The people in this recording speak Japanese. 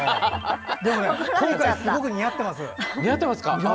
でもね、今回はすごく似合ってます。